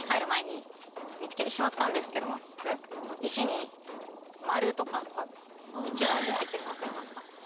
この石に丸とか一文字入っているのわかりますか？